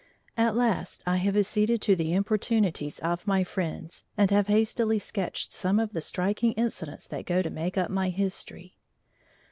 At last I have acceded to the importunities of my friends, and have hastily sketched some of the striking incidents that go to make up my history.